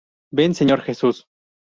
Ven, Señor Jesús.